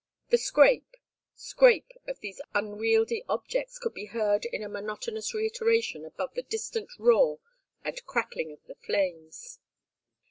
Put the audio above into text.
The scrape, scrape of these unwieldy objects could be heard in a monotonous reiteration above the distant roar and crackling of the flames.